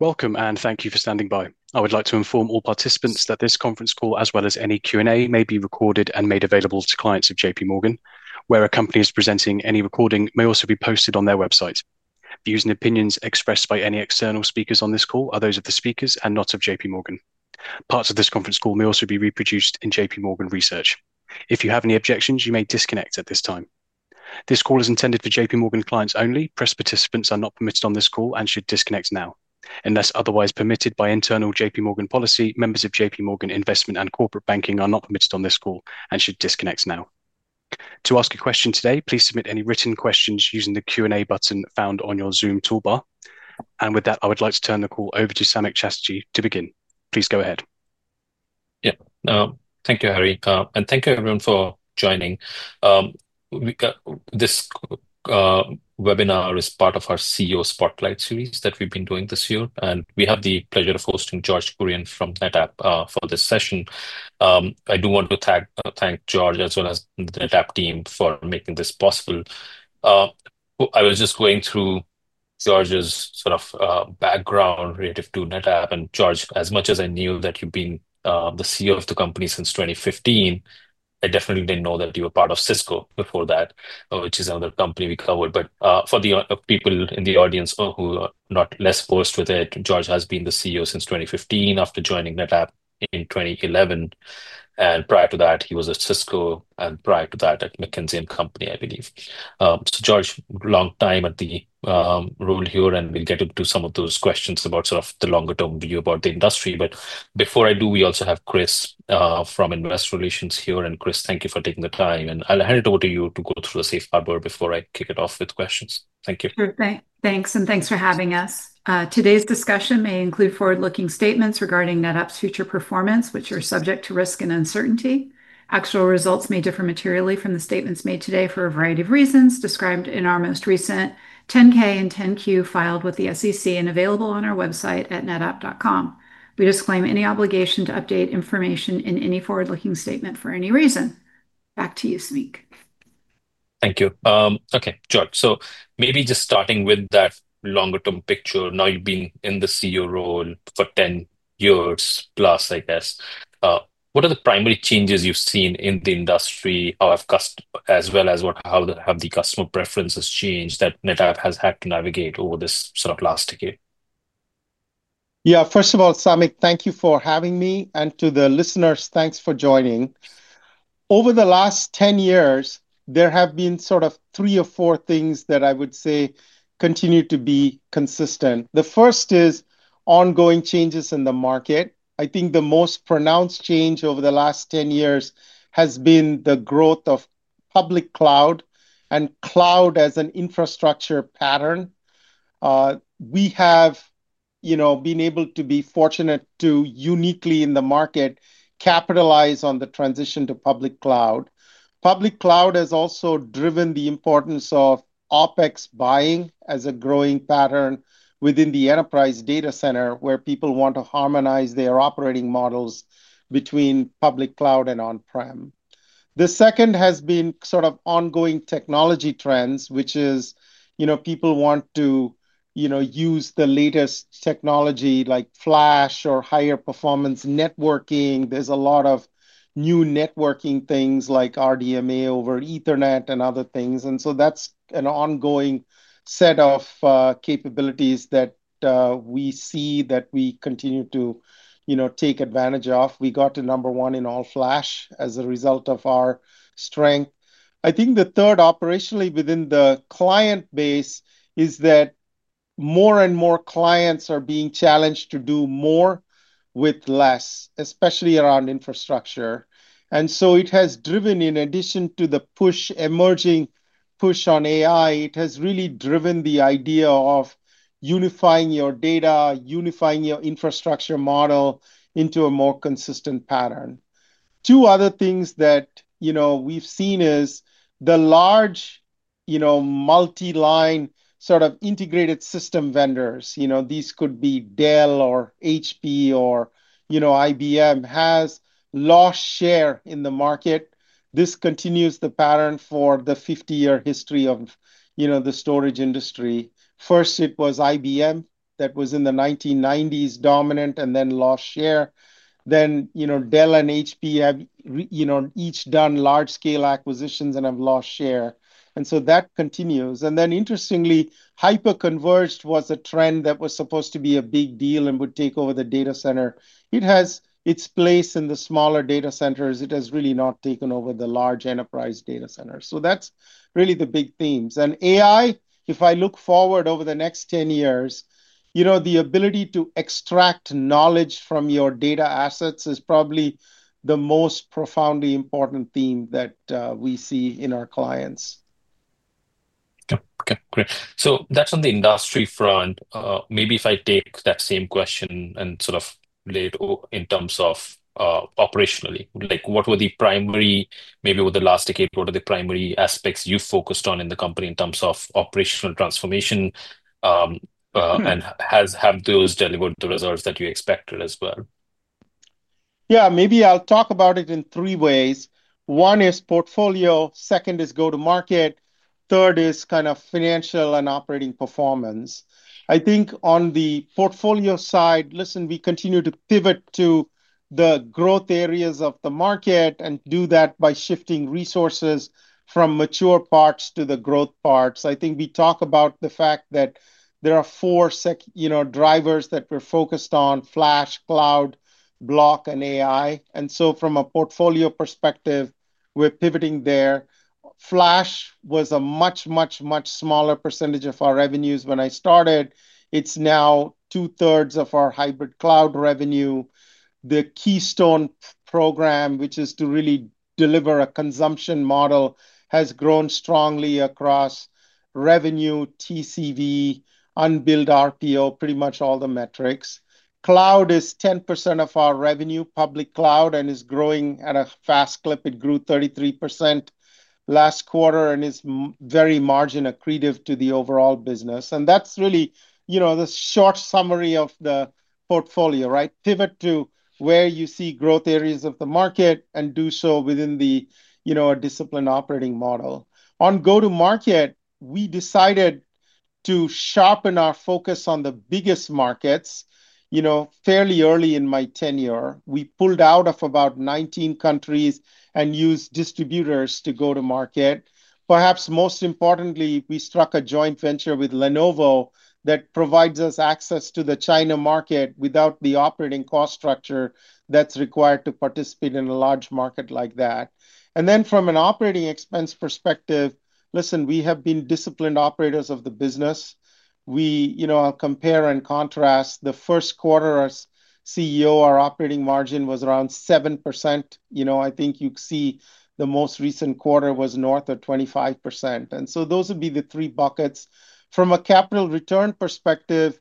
Welcome, and thank you for standing by. I would like to inform all participants that this conference call, as well as any Q&A, may be recorded and made available to clients of JPMorgan. Where a company is presenting, any recording may also be posted on their website. The views and opinions expressed by any external speakers on this call are those of the speakers and not of JPMorgan. Parts of this conference call may also be reproduced in JPMorgan research. If you have any objections, you may disconnect at this time. This call is intended for JPMorgan clients only. Press participants are not permitted on this call and should disconnect now. Unless otherwise permitted by internal JPMorgan policy, members of JPMorgan Investment and Corporate Banking are not permitted on this call and should disconnect now. To ask a question today, please submit any written questions using the Q&A button found on your Zoom toolbar. With that, I would like to turn the call over to Samik Chatterjee to begin. Please go ahead. Yeah, thank you, Harry, and thank you, everyone, for joining. This webinar is part of our CEO Spotlight series that we've been doing this year, and we have the pleasure of hosting George Kurian from NetApp for this session. I do want to thank George as well as the NetApp team for making this possible. I was just going through George's sort of background relative to NetApp, and George, as much as I knew that you've been the CEO of the company since 2015, I definitely didn't know that you were part of Cisco before that, which is another company we covered. For the people in the audience who are not less versed with it, George has been the CEO since 2015 after joining NetApp in 2011. Prior to that, he was at Cisco, and prior to that, at McKinsey & Company, I believe. George, long time at the role here, and we'll get into some of those questions about sort of the longer-term view about the industry. Before I do, we also have Kris from Investor Relations here. Kris, thank you for taking the time, and I'll hand it over to you to go through the safe harbor before I kick it off with questions. Thank you. Thanks, and thanks for having us. Today's discussion may include forward-looking statements regarding NetApp's future performance, which are subject to risk and uncertainty. Actual results may differ materially from the statements made today for a variety of reasons described in our most recent 10-K and 10-Q filed with the SEC and available on our website at netapp.com. We disclaim any obligation to update information in any forward-looking statement for any reason. Back to you, Samik. Thank you. OK, George, maybe just starting with that longer-term picture, now you've been in the CEO role for 10 years plus, I guess. What are the primary changes you've seen in the industry, as well as how have the customer preferences changed that NetApp has had to navigate over this last decade? Yeah, first of all, Samik, thank you for having me. And to the listeners, thanks for joining. Over the last 10 years, there have been sort of three or four things that I would say continue to be consistent. The first is ongoing changes in the market. I think the most pronounced change over the last 10 years has been the growth of public cloud and cloud as an infrastructure pattern. We have been able to be fortunate to uniquely in the market capitalize on the transition to public cloud. Public cloud has also driven the importance of OpEx buying as a growing pattern within the enterprise data center, where people want to harmonize their operating models between public cloud and on-prem. The second has been sort of ongoing technology trends, which is people want to use the latest technology, like Flash or higher-performance networking. There's a lot of new networking things, like RDMA over Ethernet and other things. That's an ongoing set of capabilities that we see that we continue to take advantage of. We got to number one in all-flash as a result of our strength. I think the third, operationally within the client base, is that more and more clients are being challenged to do more with less, especially around infrastructure. It has driven, in addition to the push, emerging push on AI, it has really driven the idea of unifying your data, unifying your infrastructure model into a more consistent pattern. Two other things that we've seen is the large multiline sort of integrated system vendors. These could be Dell or HP or IBM, has lost share in the market. This continues the pattern for the 50-year history of the storage industry. First, it was IBM that was in the 1990s dominant and then lost share. Then Dell and HP have each done large-scale acquisitions and have lost share. That continues. Interestingly, hyperconverged was a trend that was supposed to be a big deal and would take over the data center. It has its place in the smaller data centers. It has really not taken over the large enterprise data centers. That's really the big themes. AI, if I look forward over the next 10 years, the ability to extract knowledge from your data assets is probably the most profoundly important theme that we see in our clients. OK, great. That's on the industry front. If I take that same question and sort of lay it in terms of operationally, what were the primary, maybe over the last decade, what are the primary aspects you focused on in the company in terms of operational transformation? Have those delivered the results that you expected as well? Yeah, maybe I'll talk about it in three ways. One is portfolio. Second is go-to-market. Third is kind of financial and operating performance. I think on the portfolio side, listen, we continue to pivot to the growth areas of the market and do that by shifting resources from mature parts to the growth parts. I think we talk about the fact that there are four drivers that we're focused on: Flash, cloud, block, and AI. From a portfolio perspective, we're pivoting there. Flash was a much, much, much smaller percentage of our revenues when I started. It's now 2/3 of our hybrid cloud revenue. The Keystone program, which is to really deliver a consumption model, has grown strongly across revenue, TCV, unbilled RPO, pretty much all the metrics. Cloud is 10% of our revenue, public cloud, and is growing at a fast clip. It grew 33% last quarter and is very margin accretive to the overall business. That's really the short summary of the portfolio, right? Pivot to where you see growth areas of the market and do so within a disciplined operating model. On go-to-market, we decided to sharpen our focus on the biggest markets. Fairly early in my tenure, we pulled out of about 19 countries and used distributors to go-to-market. Perhaps most importantly, we struck a joint venture with Lenovo that provides us access to the China market without the operating cost structure that's required to participate in a large market like that. From an operating expense perspective, listen, we have been disciplined operators of the business. We compare and contrast. The first quarter as CEO, our operating margin was around 7%. I think you see the most recent quarter was north of 25%. Those would be the three buckets. From a capital return perspective,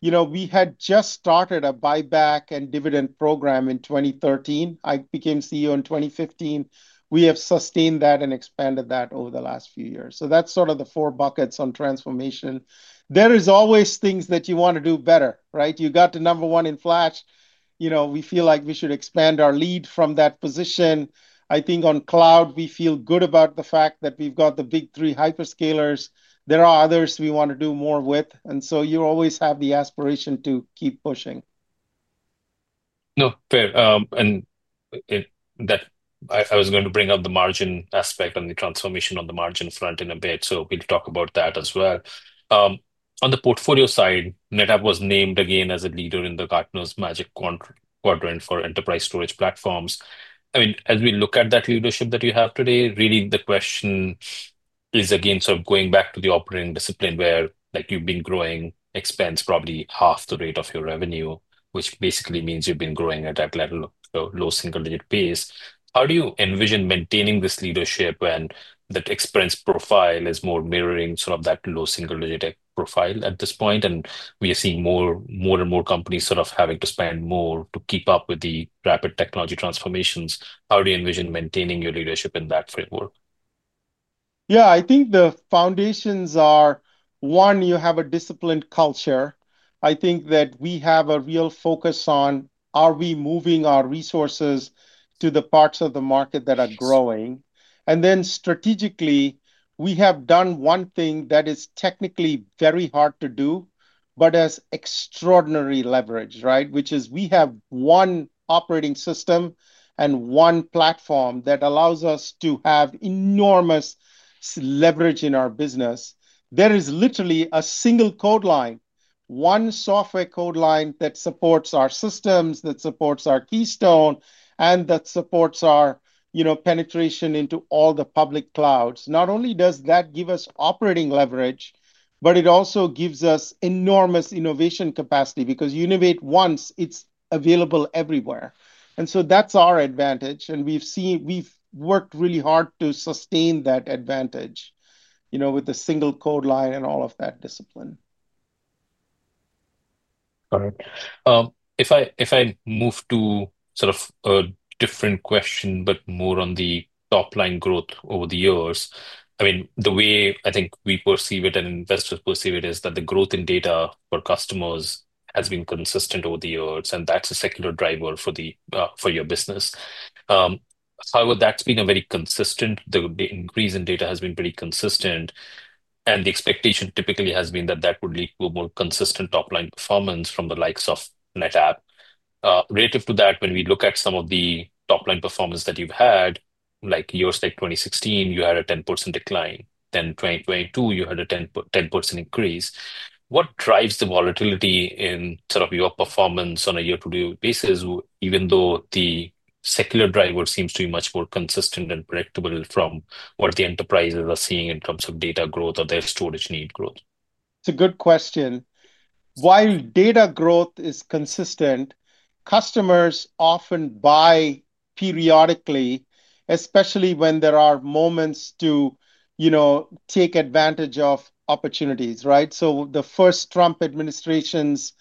we had just started a buyback and dividend program in 2013. I became CEO in 2015. We have sustained that and expanded that over the last few years. That's sort of the four buckets on transformation. There are always things that you want to do better, right? You got to number one in Flash. We feel like we should expand our lead from that position. I think on cloud, we feel good about the fact that we've got the big three hyperscalers. There are others we want to do more with. You always have the aspiration to keep pushing. No, great. I was going to bring up the margin aspect and the transformation on the margin front in a bit. We'll talk about that as well. On the portfolio side, NetApp was named again as a leader in Gartner's Magic Quadrant for enterprise storage platforms. As we look at that leadership that you have today, the question is again sort of going back to the operating discipline where you've been growing expense probably half the rate of your revenue, which basically means you've been growing at that level of low single-digit base. How do you envision maintaining this leadership when the experience profile is more mirroring sort of that low single-digit profile at this point? We are seeing more and more companies having to spend more to keep up with the rapid technology transformations. How do you envision maintaining your leadership in that framework? Yeah, I think the foundations are, one, you have a disciplined culture. I think that we have a real focus on, are we moving our resources to the parts of the market that are growing? Then strategically, we have done one thing that is technically very hard to do, but has extraordinary leverage, right? Which is we have one operating system and one platform that allows us to have enormous leverage in our business. There is literally a single code line, one software code line that supports our systems, that supports our Keystone, and that supports our penetration into all the public clouds. Not only does that give us operating leverage, it also gives us enormous innovation capacity because you innovate once, it's available everywhere. That is our advantage. We've worked really hard to sustain that advantage with a single code line and all of that discipline. If I move to sort of a different question, but more on the top line growth over the years, I mean, the way I think we perceive it and investors perceive it is that the growth in data for customers has been consistent over the years. That's a secular driver for your business. However, that's been a very consistent increase in data, has been pretty consistent. The expectation typically has been that that would lead to a more consistent top line performance from the likes of NetApp. Relative to that, when we look at some of the top line performance that you've had, like yours in 2016, you had a 10% decline. In 2022, you had a 10% increase. What drives the volatility in sort of your performance on a year-to-date basis, even though the secular driver seems to be much more consistent and predictable from what the enterprises are seeing in terms of data growth or their storage need growth? It's a good question. While data growth is consistent, customers often buy periodically, especially when there are moments to take advantage of opportunities, right? The first Trump administration's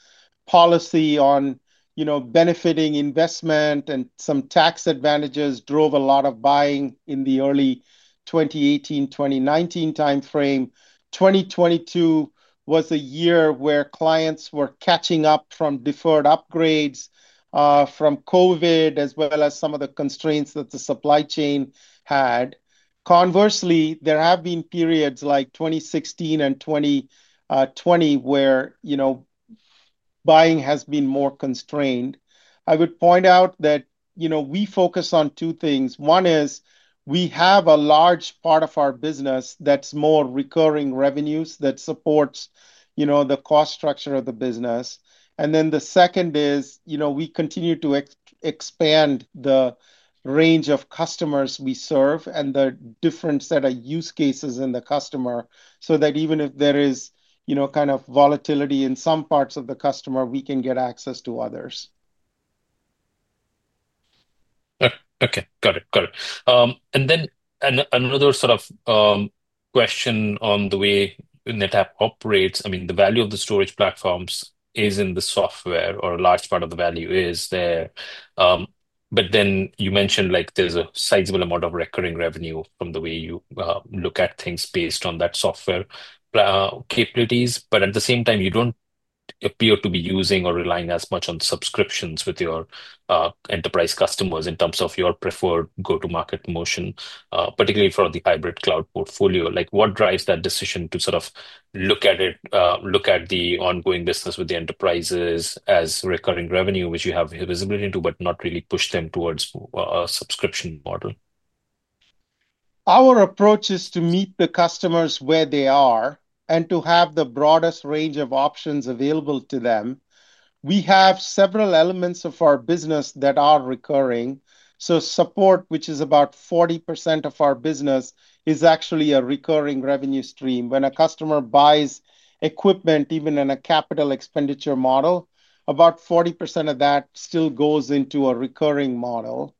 policy on benefiting investment and some tax advantages drove a lot of buying in the early 2018, 2019 time frame. 2022 was a year where clients were catching up from deferred upgrades from COVID, as well as some of the constraints that the supply chain had. Conversely, there have been periods like 2016 and 2020 where buying has been more constrained. I would point out that we focus on two things. One is we have a large part of our business that's more recurring revenues that supports the cost structure of the business. The second is we continue to expand the range of customers we serve and the different set of use cases in the customer so that even if there is kind of volatility in some parts of the customer, we can get access to others. OK, got it. Then another sort of question on the way NetApp operates. I mean, the value of the storage platforms is in the software, or a large part of the value is there. You mentioned there's a sizable amount of recurring revenue from the way you look at things based on that software capabilities. At the same time, you don't appear to be using or relying as much on subscriptions with your enterprise customers in terms of your preferred go-to-market motion, particularly for the hybrid cloud portfolio. What drives that decision to sort of look at it, look at the ongoing business with the enterprises as recurring revenue, which you have visibility into, but not really push them towards a subscription model? Our approach is to meet the customers where they are and to have the broadest range of options available to them. We have several elements of our business that are recurring. Support, which is about 40% of our business, is actually a recurring revenue stream. When a customer buys equipment, even in a capital expenditure model, about 40% of that still goes into a recurring model.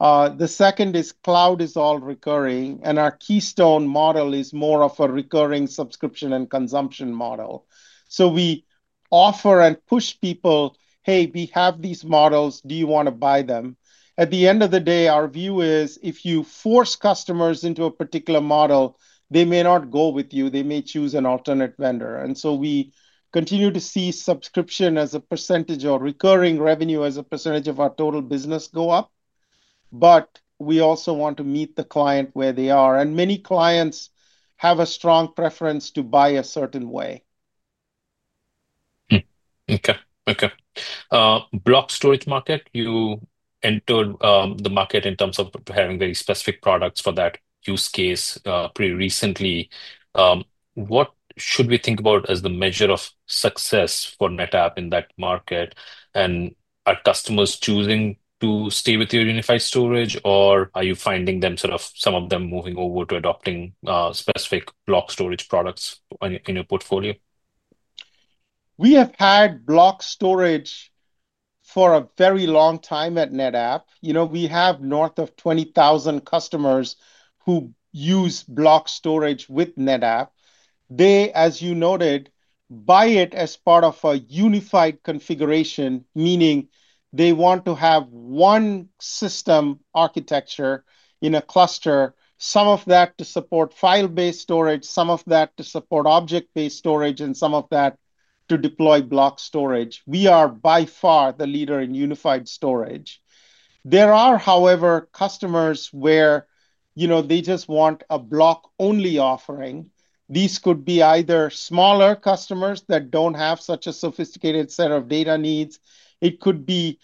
The second is cloud is all recurring, and our Keystone model is more of a recurring subscription and consumption model. We offer and push people, hey, we have these models. Do you want to buy them? At the end of the day, our view is if you force customers into a particular model, they may not go with you. They may choose an alternate vendor. We continue to see subscription as a percentage or recurring revenue as a percentage of our total business go up. We also want to meet the client where they are. Many clients have a strong preference to buy a certain way. OK. Block storage market, you entered the market in terms of preparing very specific products for that use case pretty recently. What should we think about as the measure of success for NetApp in that market? Are customers choosing to stay with your unified storage, or are you finding some of them moving over to adopting specific block storage products in your portfolio? We have had block storage for a very long time at NetApp. We have north of 20,000 customers who use block storage with NetApp. They, as you noted, buy it as part of a unified configuration, meaning they want to have one system architecture in a cluster, some of that to support file-based storage, some of that to support object-based storage, and some of that to deploy block storage. We are by far the leader in unified storage. There are, however, customers where they just want a block-only offering. These could be either smaller customers that don't have such a sophisticated set of data needs. It could be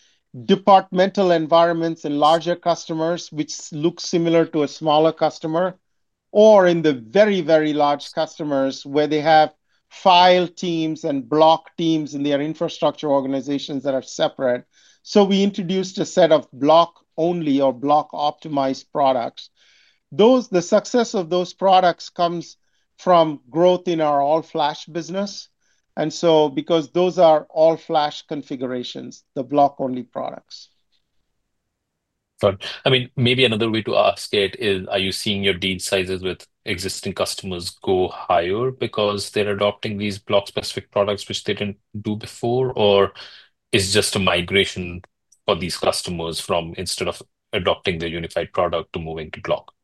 departmental environments in larger customers, which look similar to a smaller customer, or in the very, very large customers where they have file teams and block teams in their infrastructure organizations that are separate. We introduced a set of block-only or block-optimized products. The success of those products comes from growth in our All Flash business, and because those are all-flash configurations, the block-only products. Maybe another way to ask it is, are you seeing your deal sizes with existing customers go higher because they're adopting these block-specific products, which they didn't do before? Is it just a migration for these customers from instead of adopting the unified product to moving to block?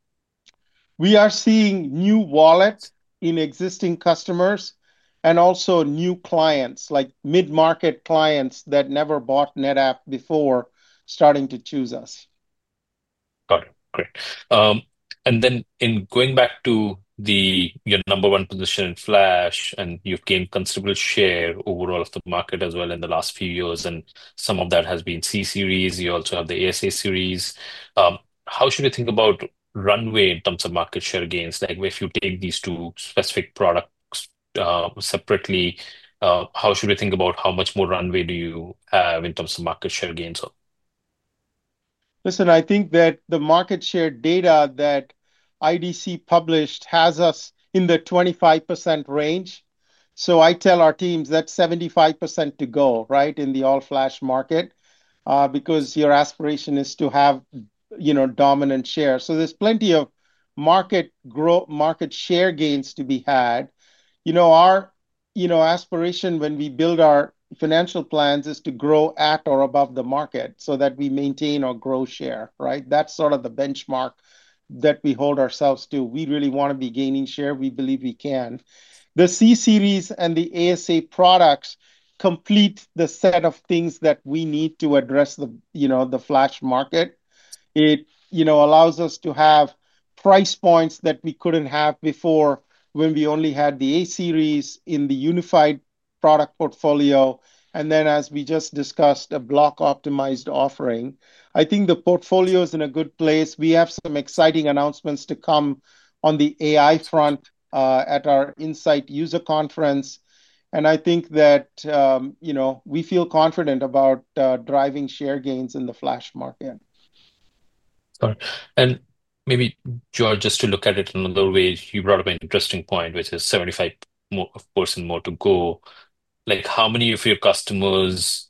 We are seeing new wallet in existing customers and also new clients, like mid-market clients that never bought NetApp before, starting to choose us. Got it. Great. Going back to your number one position in Flash, you've gained considerable share overall of the market as well in the last few years. Some of that has been C-Series. You also have the ASA Series. How should we think about runway in terms of market share gains? If you take these two specific products separately, how should we think about how much more runway do you have in terms of market share gains? Listen, I think that the market share data that IDC published has us in the 25% range. I tell our teams that's 75% to go, right, in the all-flash market because your aspiration is to have dominant share. There's plenty of market share gains to be had. Our aspiration when we build our financial plans is to grow at or above the market so that we maintain or grow share, right? That's sort of the benchmark that we hold ourselves to. We really want to be gaining share. We believe we can. The C-Series and the ASA products complete the set of things that we need to address the Flash market. It allows us to have price points that we couldn't have before when we only had the A-Series in the unified product portfolio. As we just discussed, a block-optimized offering. I think the portfolio is in a good place. We have some exciting announcements to come on the AI front at our NetApp Insight Conference. I think that we feel confident about driving share gains in the Flash market. George, just to look at it in another way, you brought up an interesting point, which is 75% more to go. How many of your customers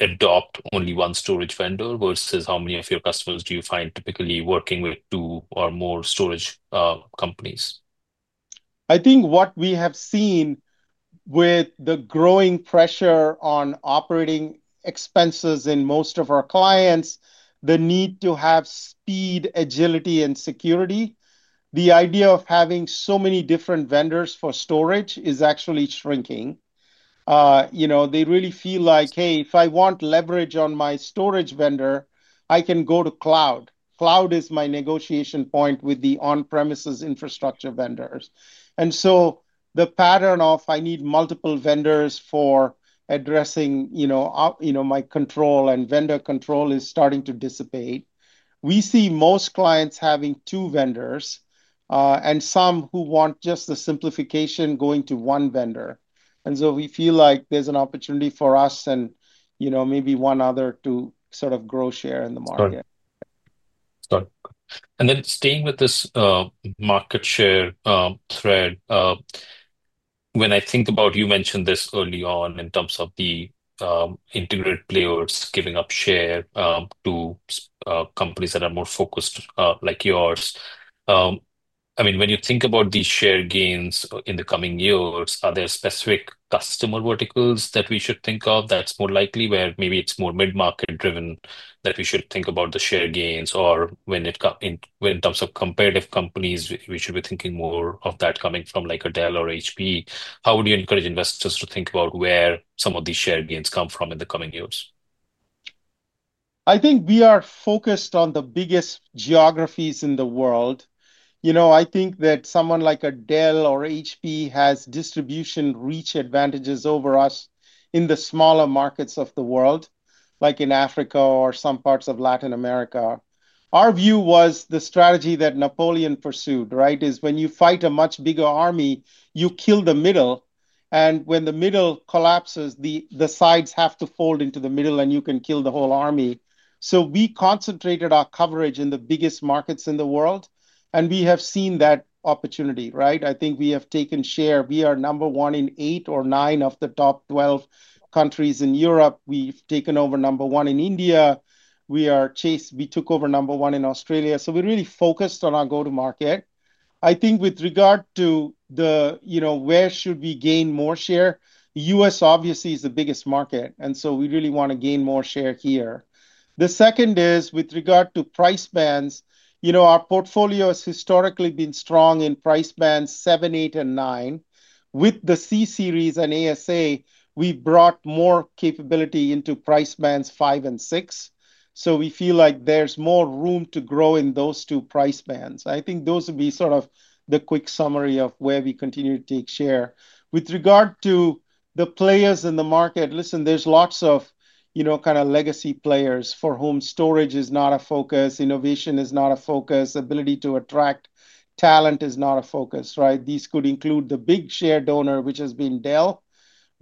adopt only one storage vendor versus how many of your customers do you find typically working with two or more storage companies? I think what we have seen with the growing pressure on operating expenses in most of our clients, the need to have speed, agility, and security, the idea of having so many different vendors for storage is actually shrinking. They really feel like, hey, if I want leverage on my storage vendor, I can go to cloud. Cloud is my negotiation point with the on-premises infrastructure vendors. The pattern of I need multiple vendors for addressing my control and vendor control is starting to dissipate. We see most clients having two vendors and some who want just the simplification going to one vendor. We feel like there's an opportunity for us and maybe one other to sort of grow share in the market. Staying with this market share thread, when I think about you mentioned this early on in terms of the integrated players giving up share to companies that are more focused like yours. When you think about these share gains in the coming years, are there specific customer verticals that we should think of that's more likely, where maybe it's more mid-market driven, that we should think about the share gains? When it comes to competitive companies, we should be thinking more of that coming from like a Dell or HP. How would you encourage investors to think about where some of these share gains come from in the coming years? I think we are focused on the biggest geographies in the world. I think that someone like a Dell or HP has distribution reach advantages over us in the smaller markets of the world, like in Africa or some parts of Latin America. Our view was the strategy that Napoleon pursued, right? When you fight a much bigger army, you kill the middle. When the middle collapses, the sides have to fold into the middle, and you can kill the whole army. We concentrated our coverage in the biggest markets in the world. We have seen that opportunity, right? I think we have taken share. We are number one in eight or nine of the top 12 countries in Europe. We've taken over number one in India. We took over number one in Australia. We're really focused on our go-to-market. I think with regard to where should we gain more share, the U.S. obviously is the biggest market. We really want to gain more share here. The second is with regard to price bands. Our portfolio has historically been strong in price bands seven, eight, and nine. With the C-Series and ASA [Series], we brought more capability into price bands five and six. We feel like there's more room to grow in those two price bands. I think those would be sort of the quick summary of where we continue to take share. With regard to the players in the market, listen, there's lots of kind of legacy players for whom storage is not a focus, innovation is not a focus, ability to attract talent is not a focus, right? These could include the big share donor, which has been Dell,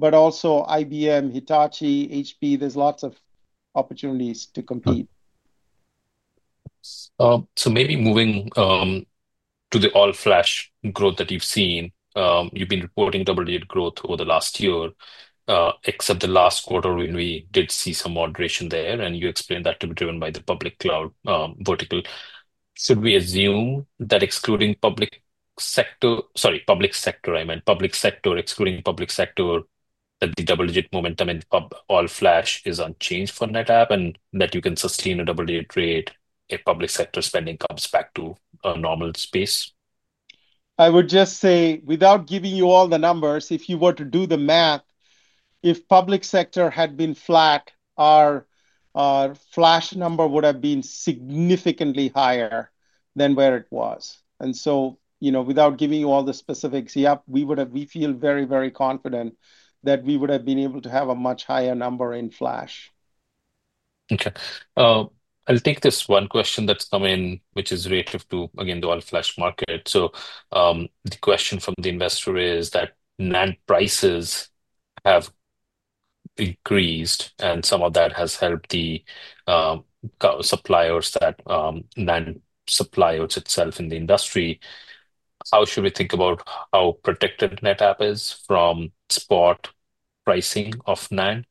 but also IBM, Hitachi, HP. There's lots of opportunities to compete. Maybe moving to the all-flash growth that you've seen, you've been reporting double-digit growth over the last year, except the last quarter when we did see some moderation there. You explained that to be driven by the public cloud vertical. Should we assume that excluding public sector, sorry, public sector, I meant public sector, excluding the public sector, that the double-digit momentum in all-flash is unchanged for NetApp and that you can sustain a double-digit rate if public sector spending comes back to a normal space? I would just say, without giving you all the numbers, if you were to do the math, if public sector had been flat, our Flash number would have been significantly higher than where it was. Without giving you all the specifics, yep, we feel very, very confident that we would have been able to have a much higher number in Flash. OK. I'll take this one question that's come in, which is relative to, again, the all-flash market. The question from the investor is that NAND prices have increased, and some of that has helped the suppliers, that NAND supplier itself in the industry. How should we think about how protected NetApp is from spot pricing of NAND?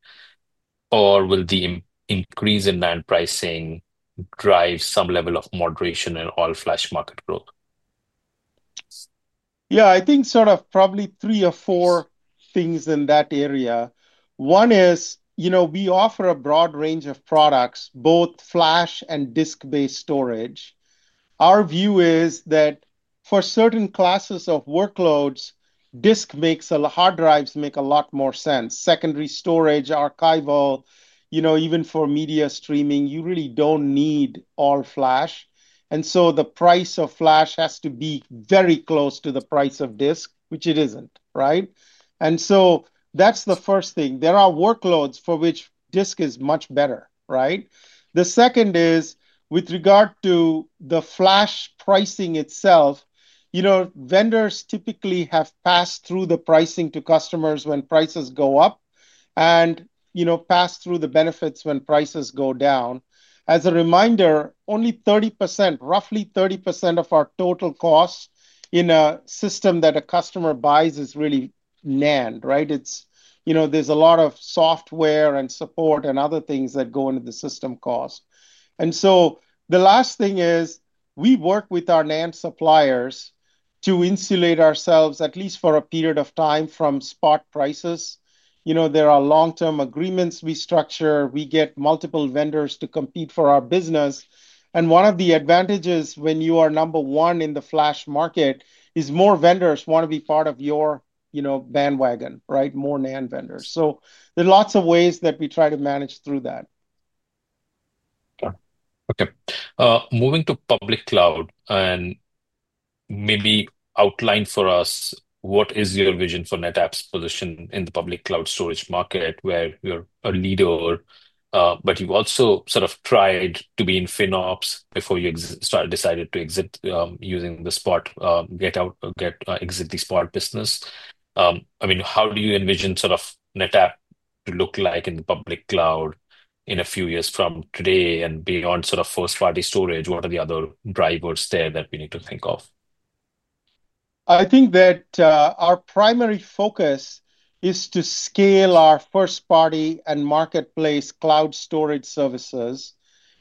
Will the increase in NAND pricing drive some level of moderation in all-flash market growth? Yeah, I think probably three or four things in that area. One is we offer a broad range of products, both flash and disk-based storage. Our view is that for certain classes of workloads, disk, hard drives, make a lot more sense. Secondary storage, archival, even for media streaming, you really don't need all-flash. The price of flash has to be very close to the price of disk, which it isn't, right? That's the first thing. There are workloads for which disk is much better, right? The second is with regard to the flash pricing itself. Vendors typically have passed through the pricing to customers when prices go up and passed through the benefits when prices go down. As a reminder, only 30%, roughly 30% of our total cost in a system that a customer buys is really NAND, right? There's a lot of software and support and other things that go into the system cost. The last thing is we work with our NAND suppliers to insulate ourselves at least for a period of time from spot prices. There are long-term agreements we structure. We get multiple vendors to compete for our business. One of the advantages when you are number one in the flash market is more vendors want to be part of your bandwagon, right? More NAND vendors. There are lots of ways that we try to manage through that. OK. Moving to public cloud, maybe outline for us what is your vision for NetApp's position in the public cloud storage market where you're a leader, but you've also sort of tried to be in FinOps before you decided to exit using the Spot, exit the Spot business. I mean, how do you envision sort of NetApp to look like in the public cloud in a few years from today and beyond first-party storage? What are the other drivers there that we need to think of? I think that our primary focus is to scale our first-party and marketplace cloud storage services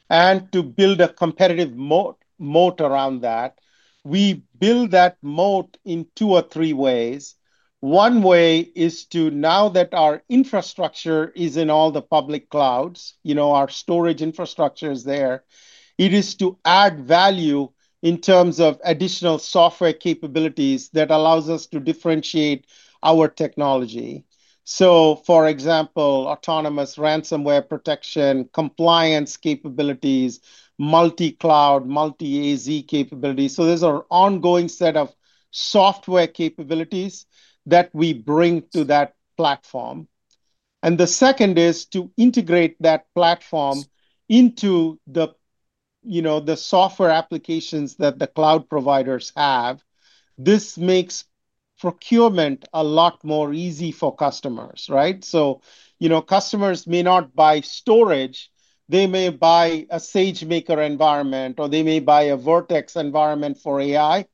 and to build a competitive moat around that. We build that moat in two or three ways. One way is to, now that our infrastructure is in all the public clouds, our storage infrastructure is there, it is to add value in terms of additional software capabilities that allow us to differentiate our technology. For example, autonomous ransomware protection, compliance capabilities, multi-cloud, multi-AZ capabilities. There is an ongoing set of software capabilities that we bring to that platform. The second is to integrate that platform into the software applications that the cloud providers have. This makes procurement a lot more easy for customers, right? Customers may not buy storage. They may buy a SageMaker environment, or they may buy a Vertex environment for AI.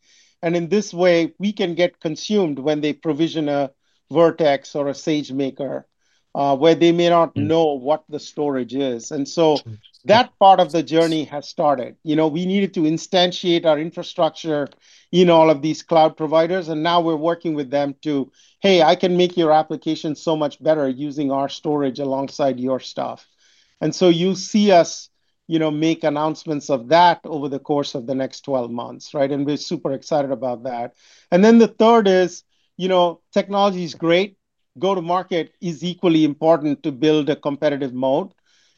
In this way, we can get consumed when they provision a Vertex or a SageMaker where they may not know what the storage is. That part of the journey has started. We needed to instantiate our infrastructure in all of these cloud providers. Now we're working with them to, hey, I can make your application so much better using our storage alongside your stuff. You will see us make announcements of that over the course of the next 12 months, right? We're super excited about that. The third is technology is great. Go-to-market is equally important to build a competitive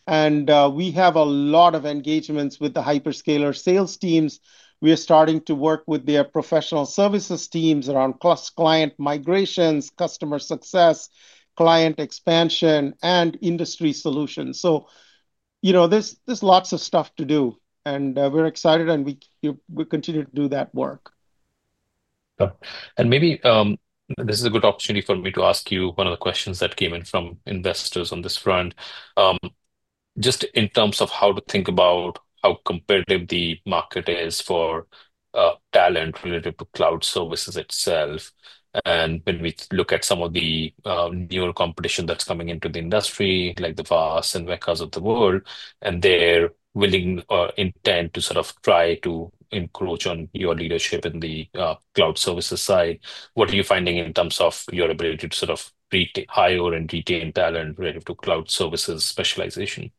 moat. We have a lot of engagements with the hyperscaler sales teams. We are starting to work with their professional services teams around client migrations, customer success, client expansion, and industry solutions. There is lots of stuff to do. We're excited, and we continue to do that work. This is a good opportunity for me to ask you one of the questions that came in from investors on this front, just in terms of how to think about how competitive the market is for talent related to cloud services itself. When we look at some of the newer competition that's coming into the industry, like the VAST and [Veeam] of the world, and their willing intent to sort of try to encroach on your leadership in the cloud services side, what are you finding in terms of your ability to sort of hire and retain talent related to cloud services specialization?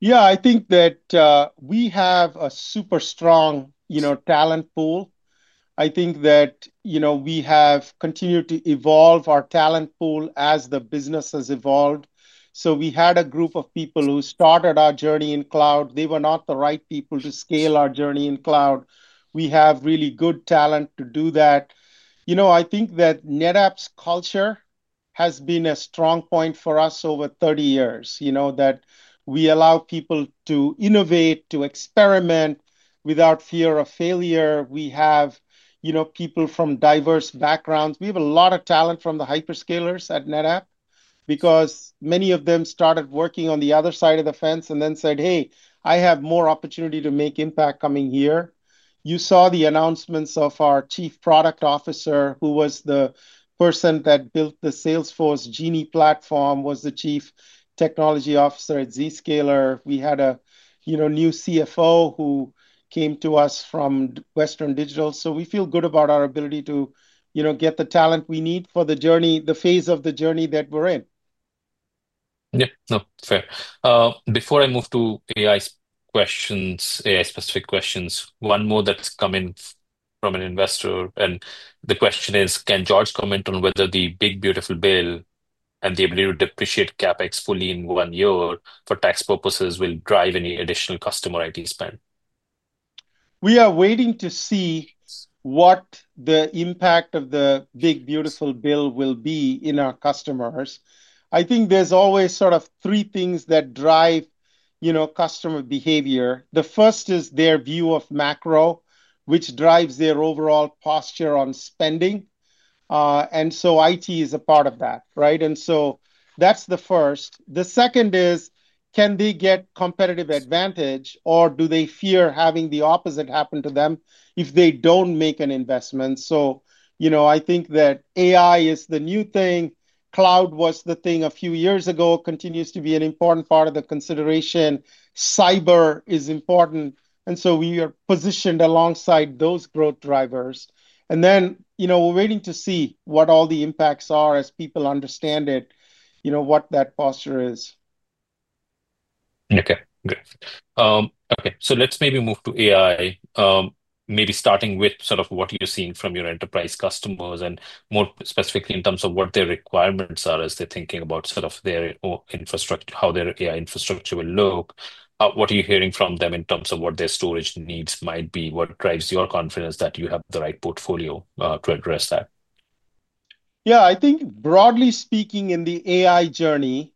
Yeah, I think that we have a super strong talent pool. I think that we have continued to evolve our talent pool as the business has evolved. We had a group of people who started our journey in cloud. They were not the right people to scale our journey in cloud. We have really good talent to do that. I think that NetApp's culture has been a strong point for us over 30 years, that we allow people to innovate, to experiment without fear of failure. We have people from diverse backgrounds. We have a lot of talent from the hyperscalers at NetApp because many of them started working on the other side of the fence and then said, hey, I have more opportunity to make impact coming here. You saw the announcements of our Chief Product Officer, who was the person that built the Salesforce Genie platform, was the Chief Technology Officer at Zscaler. We had a new CFO who came to us from Western Digital. We feel good about our ability to get the talent we need for the phase of the journey that we're in. Yeah, no, fair. Before I move to AI questions, AI-specific questions, one more that's come in from an investor. The question is, can George comment on whether the big, beautiful bill and the ability to depreciate CapEx fully in one year for tax purposes will drive any additional customer IT spend? We are waiting to see what the impact of the big, beautiful bill will be in our customers. I think there's always sort of three things that drive customer behavior. The first is their view of macro, which drives their overall posture on spending. IT is a part of that, right? That's the first. The second is, can they get competitive advantage, or do they fear having the opposite happen to them if they don't make an investment? I think that AI is the new thing. Cloud was the thing a few years ago and continues to be an important part of the consideration. Cyber is important. We are positioned alongside those growth drivers. We're waiting to see what all the impacts are as people understand it, what that posture is. OK, good. Let's maybe move to AI, maybe starting with what you're seeing from your enterprise customers and more specifically in terms of what their requirements are as they're thinking about their infrastructure, how their AI infrastructure will look. What are you hearing from them in terms of what their storage needs might be? What drives your confidence that you have the right portfolio to address that? Yeah, I think broadly speaking, in the AI journey,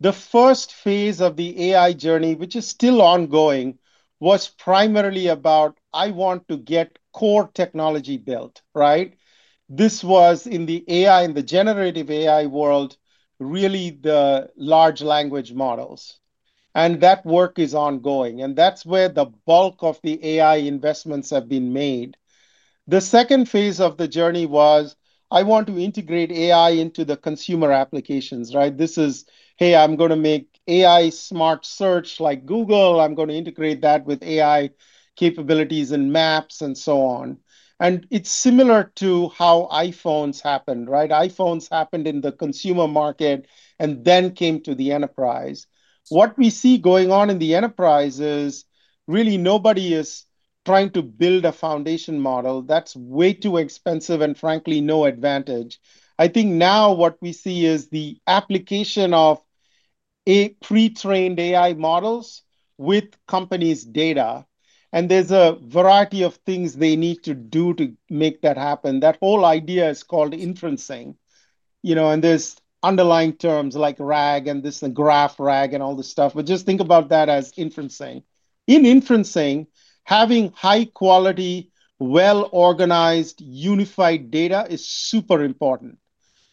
the first phase of the AI journey, which is still ongoing, was primarily about I want to get core technology built, right? This was in the AI, in the generative AI world, really the large language models. That work is ongoing. That's where the bulk of the AI investments have been made. The second phase of the journey was I want to integrate AI into the consumer applications, right? This is, hey, I'm going to make AI smart search like Google. I'm going to integrate that with AI capabilities and maps and so on. It's similar to how iPhones happened, right? iPhones happened in the consumer market and then came to the enterprise. What we see going on in the enterprise is really nobody is trying to build a foundation model. That's way too expensive and frankly no advantage. I think now what we see is the application of pre-trained AI models with companies' data. There's a variety of things they need to do to make that happen. That whole idea is called inferencing. There's underlying terms like RAG and this and graph RAG and all this stuff. Just think about that as inferencing. In inferencing, having high-quality, well-organized, unified data is super important.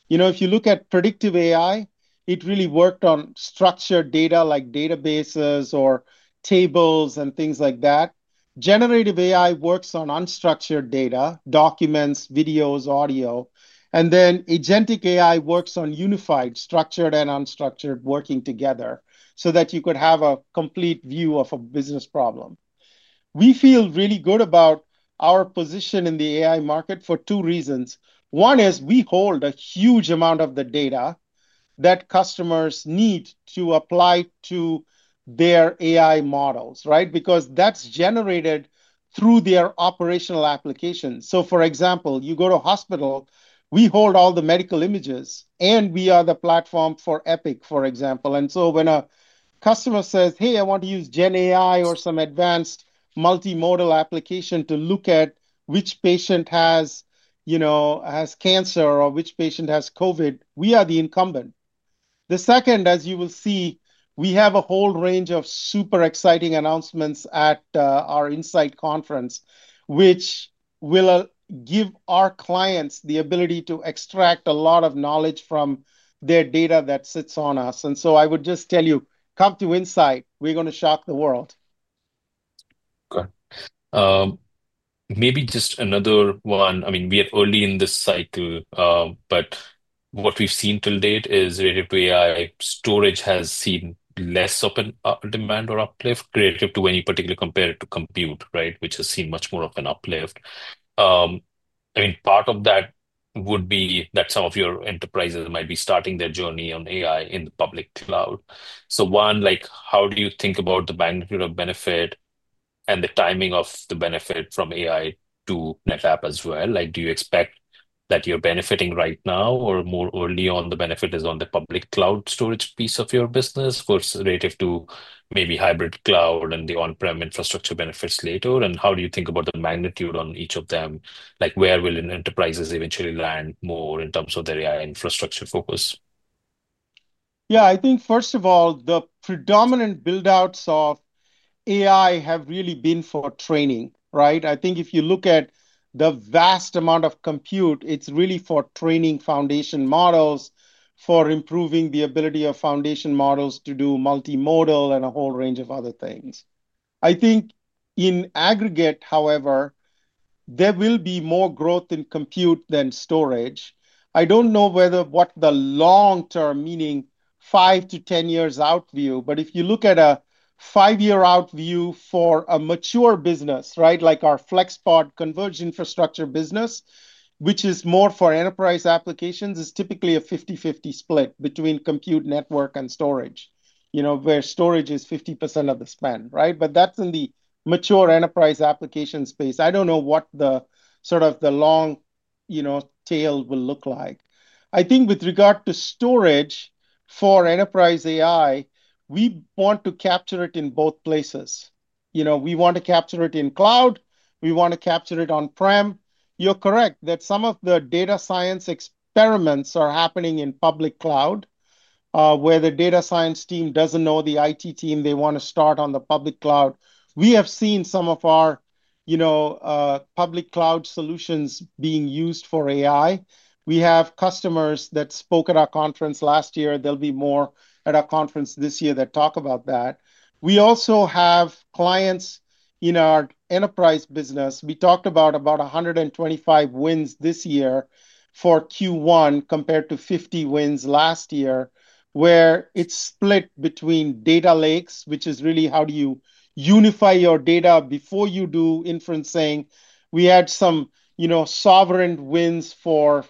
If you look at predictive AI, it really worked on structured data like databases or tables and things like that. Generative AI works on unstructured data, documents, videos, audio. Agentic AI works on unified, structured, and unstructured working together so that you could have a complete view of a business problem. We feel really good about our position in the AI market for two reasons. One is we hold a huge amount of the data that customers need to apply to their AI models, right? That's generated through their operational applications. For example, you go to a hospital, we hold all the medical images. We are the platform for Epic, for example. When a customer says, hey, I want to use GenAI or some advanced multimodal application to look at which patient has cancer or which patient has COVID, we are the incumbent. The second, as you will see, we have a whole range of super exciting announcements at our Insight Conference, which will give our clients the ability to extract a lot of knowledge from their data that sits on us. I would just tell you, come to Insight. We're going to shock the world. Maybe just another one. I mean, we are early in this cycle, but what we've seen till date is related to AI, storage has seen less of a demand or uplift relative to any particular compared to compute, right, which has seen much more of an uplift. Part of that would be that some of your enterprises might be starting their journey on AI in the public cloud. One, like how do you think about the magnitude of benefit and the timing of the benefit from AI to NetApp as well? Like do you expect that you're benefiting right now or more early on the benefit is on the public cloud storage piece of your business versus related to maybe hybrid cloud and the on-prem infrastructure benefits later? How do you think about the magnitude on each of them? Like where will enterprises eventually land more in terms of their AI infrastructure focus? Yeah, I think first of all, the predominant build-outs of AI have really been for training, right? I think if you look at the vast amount of compute, it's really for training foundation models, for improving the ability of foundation models to do multimodal and a whole range of other things. I think in aggregate, however, there will be more growth in compute than storage. I don't know what the long-term, meaning 5-10 years out, view is, but if you look at a five-year out view for a mature business, like our FlexPod converged infrastructure business, which is more for enterprise applications, it's typically a 50/50 split between compute, network, and storage, where storage is 50% of the spend, right? That's in the mature enterprise application space. I don't know what the sort of the long tail will look like. I think with regard to storage for enterprise AI, we want to capture it in both places. We want to capture it in cloud. We want to capture it on-prem. You're correct that some of the data science experiments are happening in public cloud where the data science team doesn't know the IT team. They want to start on the public cloud. We have seen some of our public cloud solutions being used for AI. We have customers that spoke at our conference last year. There'll be more at our conference this year that talk about that. We also have clients in our enterprise business. We talked about about 125 wins this year for Q1 compared to 50 wins last year, where it's split between data lakes, which is really how do you unify your data before you do inferencing. We had some sovereign wins for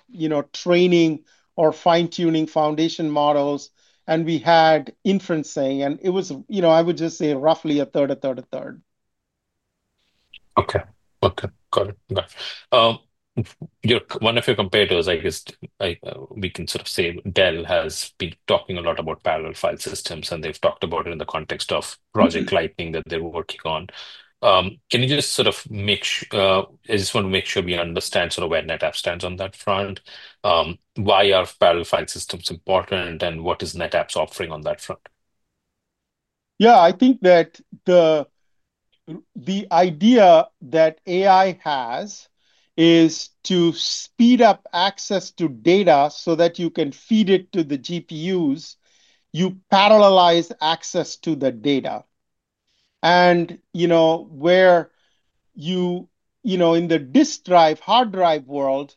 training or fine-tuning foundation models. We had inferencing. It was, I would just say, roughly a third, a third, a third. OK, got it. One of your competitors, I guess we can sort of say Dell, has been talking a lot about parallel file systems. They've talked about it in the context of Project Lightning that they're working on. Can you just sort of make sure, I just want to make sure we understand sort of where NetApp stands on that front, why are parallel file systems important, and what is NetApp's offering on that front? Yeah, I think that the idea that AI has is to speed up access to data so that you can feed it to the GPUs. You parallelize access to the data. In the disk drive, hard drive world,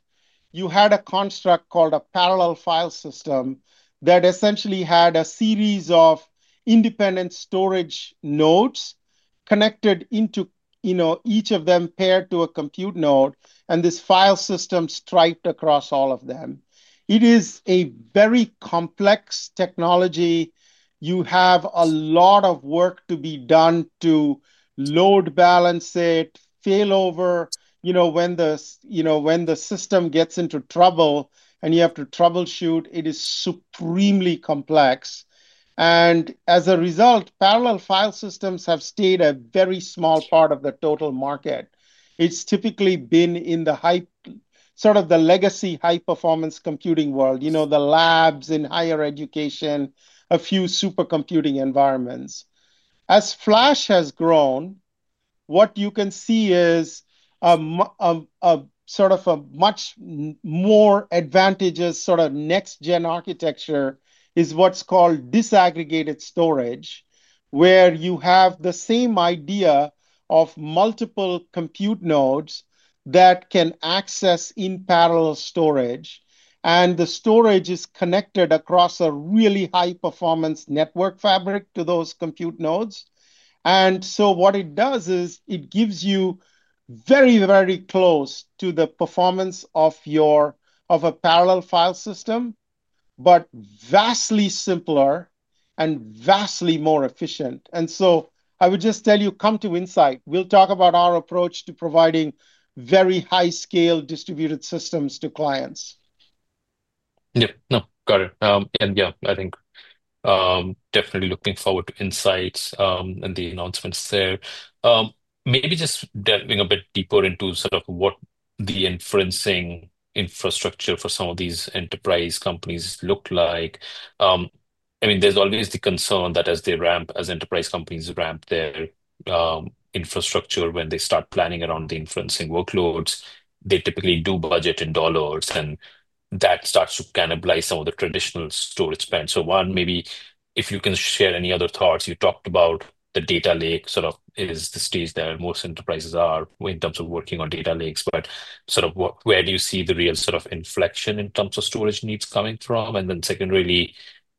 you had a construct called a parallel file system that essentially had a series of independent storage nodes connected into each of them paired to a compute node. This file system striped across all of them. It is a very complex technology. You have a lot of work to be done to load balance it, failover. When the system gets into trouble and you have to troubleshoot, it is supremely complex. As a result, parallel file systems have stayed a very small part of the total market. It's typically been in the sort of the legacy high-performance computing world, the labs in higher education, a few supercomputing environments. As Flash has grown, what you can see is a much more advantageous sort of next-gen architecture is what's called disaggregated storage, where you have the same idea of multiple compute nodes that can access in parallel storage. The storage is connected across a really high-performance network fabric to those compute nodes. What it does is it gives you very, very close to the performance of a parallel file system, but vastly simpler and vastly more efficient. I would just tell you, come to Insight. We'll talk about our approach to providing very high-scale distributed systems to clients. Yeah, got it. I think definitely looking forward to Insight and the announcements there. Maybe just delving a bit deeper into what the inferencing infrastructure for some of these enterprise companies looks like. There's always the concern that as they ramp, as enterprise companies ramp their infrastructure, when they start planning around the inferencing workloads, they typically do budget in dollars. That starts to cannibalize some of the traditional storage spend. One, maybe if you can share any other thoughts. You talked about the data lake, is the stage that most enterprises are in terms of working on data lakes. Where do you see the real inflection in terms of storage needs coming from? Secondarily,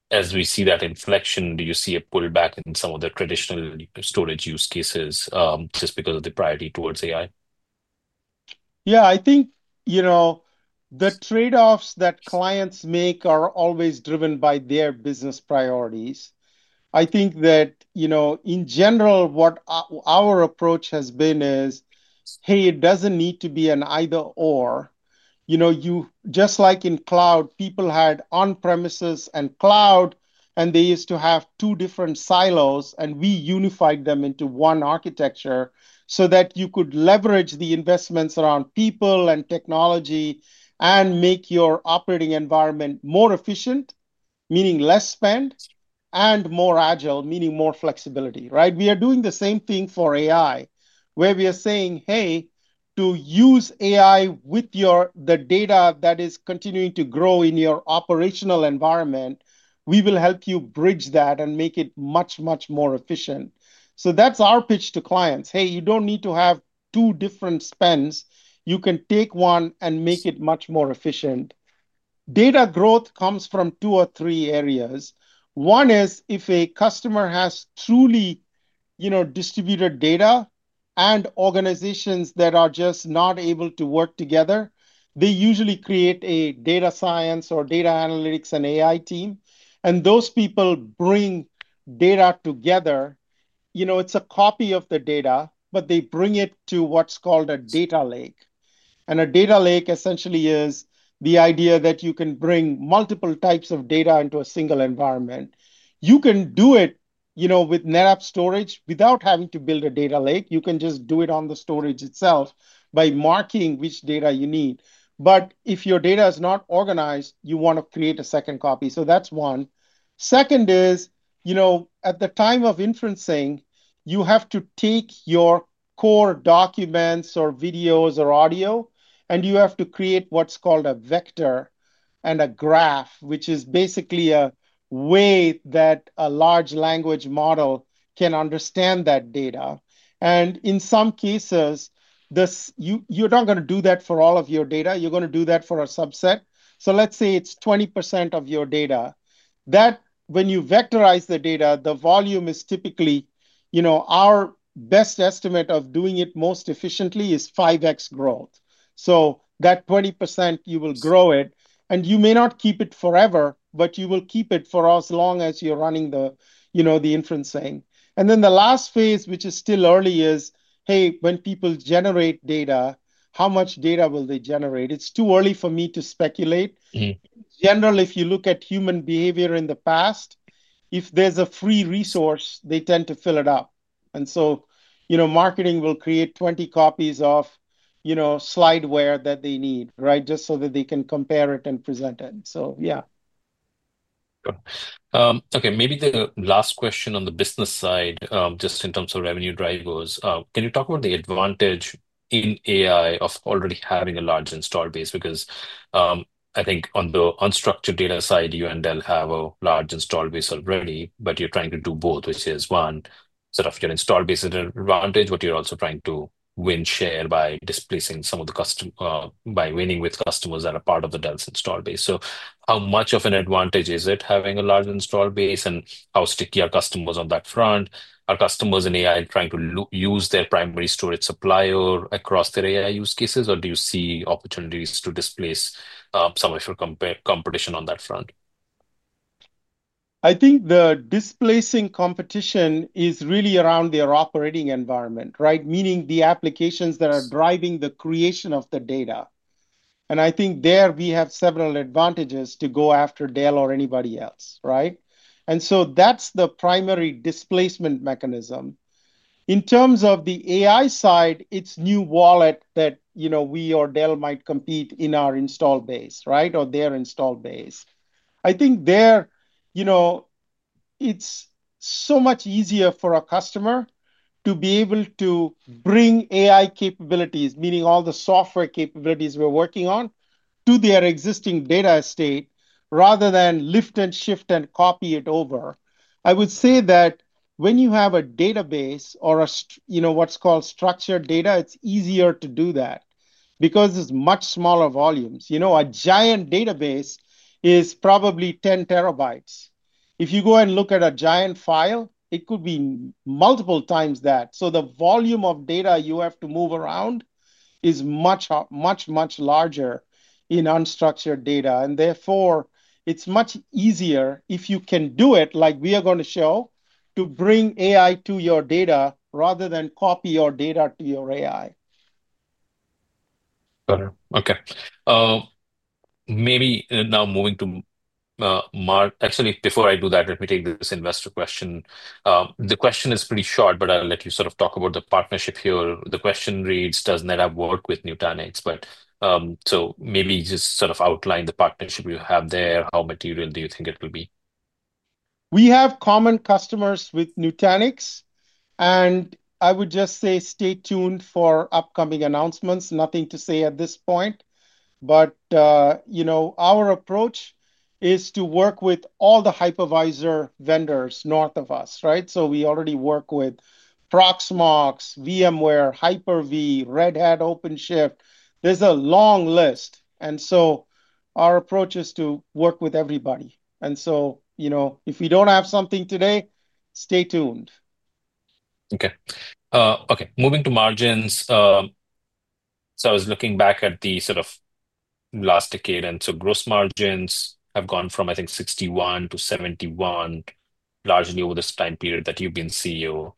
as we see that inflection, do you see a pullback in some of the traditional storage use cases just because of the priority towards AI? Yeah, I think the trade-offs that clients make are always driven by their business priorities. I think that, in general, what our approach has been is, hey, it doesn't need to be an either/or. Just like in cloud, people had on-premises and cloud, and they used to have two different silos. We unified them into one architecture so that you could leverage the investments around people and technology and make your operating environment more efficient, meaning less spend, and more agile, meaning more flexibility, right? We are doing the same thing for AI, where we are saying, hey, to use AI with the data that is continuing to grow in your operational environment, we will help you bridge that and make it much, much more efficient. That's our pitch to clients. Hey, you don't need to have two different spends. You can take one and make it much more efficient. Data growth comes from two or three areas. One is if a customer has truly distributed data and organizations that are just not able to work together, they usually create a data science or data analytics and AI team. Those people bring data together. It's a copy of the data, but they bring it to what's called a data lake. A data lake essentially is the idea that you can bring multiple types of data into a single environment. You can do it with NetApp storage without having to build a data lake. You can just do it on the storage itself by marking which data you need. If your data is not organized, you want to create a second copy. That's one. Second is, at the time of inferencing, you have to take your core documents or videos or audio, and you have to create what's called a vector and a graph, which is basically a way that a large language model can understand that data. In some cases, you're not going to do that for all of your data. You're going to do that for a subset. Let's say it's 20% of your data. When you vectorize the data, the volume is typically, our best estimate of doing it most efficiently is 5x growth. That 20%, you will grow it. You may not keep it forever, but you will keep it for as long as you're running the inferencing. The last phase, which is still early, is, hey, when people generate data, how much data will they generate? It's too early for me to speculate. In general, if you look at human behavior in the past, if there's a free resource, they tend to fill it up. Marketing will create 20 copies of slideware that they need, just so that they can compare it and present it. Yeah. OK, maybe the last question on the business side, just in terms of revenue drivers, can you talk about the advantage in AI of already having a large install base? I think on the unstructured data side, you and Dell have a large install base already, but you're trying to do both, which is one, sort of your install base is an advantage, but you're also trying to win share by displacing some of the customers by winning with customers that are part of Dell's install base. How much of an advantage is it having a large install base? How sticky are customers on that front? Are customers in AI trying to use their primary storage supplier across their AI use cases? Do you see opportunities to displace some of your competition on that front? I think the displacing competition is really around their operating environment, right? Meaning the applications that are driving the creation of the data. I think there we have several advantages to go after Dell or anybody else, right? That's the primary displacement mechanism. In terms of the AI side, it's a new wallet that we or Dell might compete in our install base, right, or their install base. I think there, it's so much easier for a customer to be able to bring AI capabilities, meaning all the software capabilities we're working on, to their existing data state rather than lift and shift and copy it over. I would say that when you have a database or what's called structured data, it's easier to do that because it's much smaller volumes. You know, a giant database is probably 10 TB. If you go and look at a giant file, it could be multiple times that. The volume of data you have to move around is much, much, much larger in unstructured data. Therefore, it's much easier if you can do it like we are going to show to bring AI to your data rather than copy your data to your AI. Got it. OK. Maybe now moving to [margins], actually, before I do that, let me take this investor question. The question is pretty short, but I'll let you sort of talk about the partnership here. The question reads, does NetApp work with Nutanix? Maybe just sort of outline the partnership you have there. How material do you think it will be? We have common customers with Nutanix. I would just say stay tuned for upcoming announcements. Nothing to say at this point. Our approach is to work with all the hypervisor vendors north of us, right? We already work with Proxmox, VMware, Hyper-V, Red Hat, OpenShift. There's a long list. Our approach is to work with everybody. If you don't have something today, stay tuned. OK, moving to margins. I was looking back at the sort of last decade, and gross margins have gone from, I think, 61%-71%, largely over this time period that you've been CEO.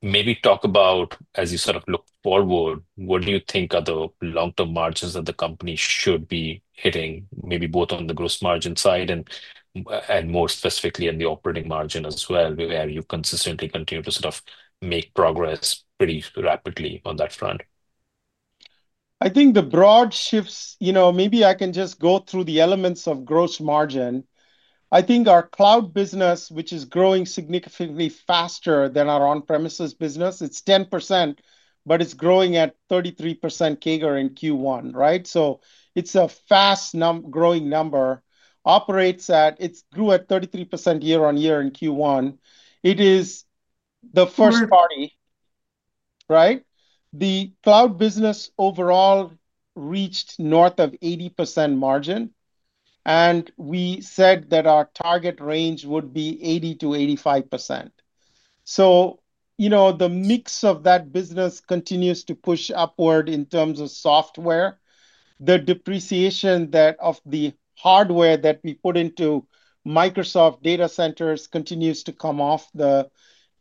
Maybe talk about, as you sort of look forward, what do you think are the long-term margins that the company should be hitting, maybe both on the gross margin side and more specifically in the operating margin as well, where you consistently continue to sort of make progress pretty rapidly on that front? I think the broad shifts, maybe I can just go through the elements of gross margin. I think our cloud business, which is growing significantly faster than our on-premises business, it's 10%, but it's growing at 33% CAGR in Q1, right? It's a fast growing number. It grew at 33% year on year in Q1. It is the first party, right? The cloud business overall reached north of 80% margin. We said that our target range would be 80%-85%. The mix of that business continues to push upward in terms of software. The depreciation of the hardware that we put into Microsoft data centers continues to come off the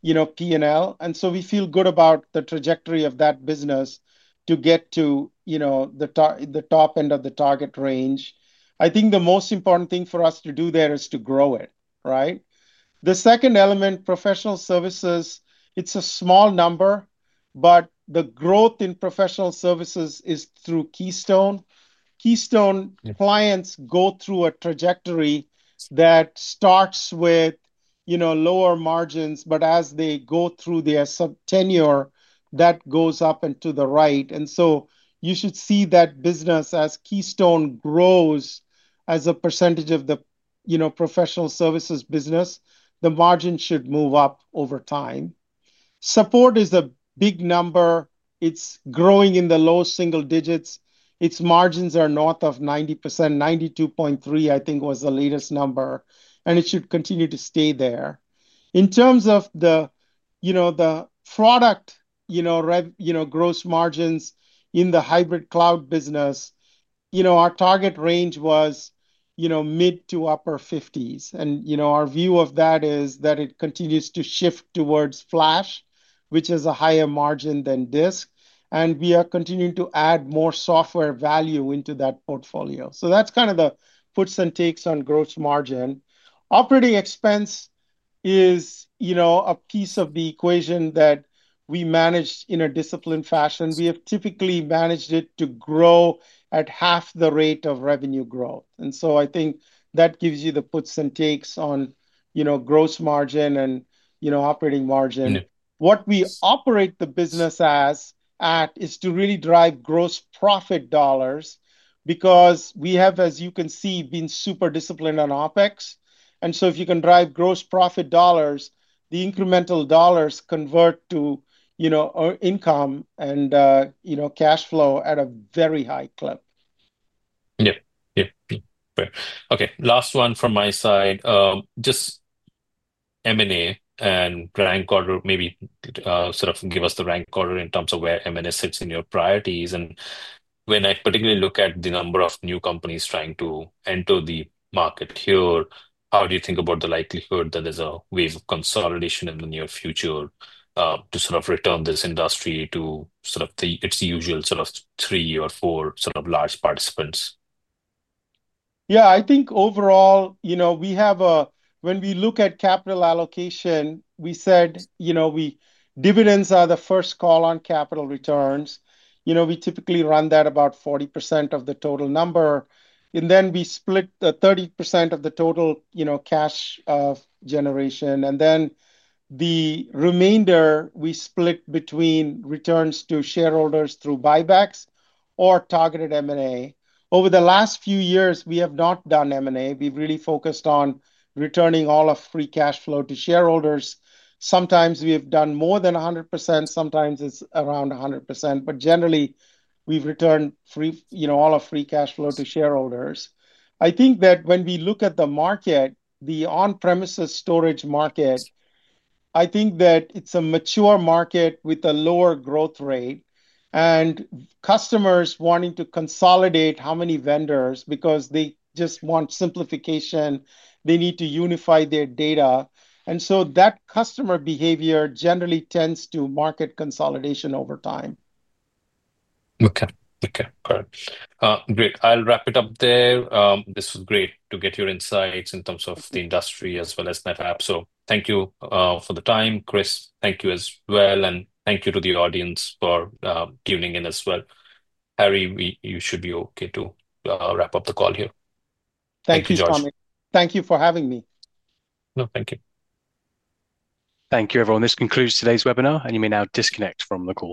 P&L. We feel good about the trajectory of that business to get to the top end of the target range. I think the most important thing for us to do there is to grow it, right? The second element, professional services, it's a small number, but the growth in professional services is through Keystone. Keystone clients go through a trajectory that starts with lower margins, but as they go through their tenure, that goes up and to the right. You should see that business, as Keystone grows as a percentage of the professional services business, the margin should move up over time. Support is a big number. It's growing in the low single digits. Its margins are north of 90%. 92.3%, I think, was the latest number. It should continue to stay there. In terms of the product, gross margins in the hybrid cloud business, our target range was mid to upper 50s. Our view of that is that it continues to shift towards Flash, which is a higher margin than disk. We are continuing to add more software value into that portfolio. That's kind of the puts and takes on gross margin. Operating expense is a piece of the equation that we managed in a disciplined fashion. We have typically managed it to grow at half the rate of revenue growth. I think that gives you the puts and takes on gross margin and operating margin. What we operate the business as is to really drive gross profit dollars because we have, as you can see, been super disciplined on OpEx. If you can drive gross profit dollars, the incremental dollars convert to income and cash flow at a very high clip. OK, last one from my side. Just M&A and rank order, maybe sort of give us the rank order in terms of where M&A sits in your priorities. When I particularly look at the number of new companies trying to enter the market here, how do you think about the likelihood that there's a wave of consolidation in the near future to return this industry to its usual three or four large participants? Yeah, I think overall, when we look at capital allocation, we said dividends are the first call on capital returns. We typically run that at about 40% of the total number, and then we split 30% of the total cash generation. The remainder we split between returns to shareholders through buybacks or targeted M&A. Over the last few years, we have not done M&A. We've really focused on returning all of free cash flow to shareholders. Sometimes we have done more than 100%. Sometimes it's around 100%. Generally, we've returned all of free cash flow to shareholders. I think that when we look at the market, the on-premises storage market, it's a mature market with a lower growth rate and customers wanting to consolidate how many vendors because they just want simplification. They need to unify their data. That customer behavior generally tends to market consolidation over time. OK, got it. Great. I'll wrap it up there. This was great to get your insights in terms of the industry as well as NetApp. Thank you for the time, Kris. Thank you as well. Thank you to the audience for tuning in as well. Harry, you should be OK to wrap up the call here. Thank you, Samik. Thank you for having me. No, thank you. Thank you, everyone. This concludes today's webinar. You may now disconnect from the call.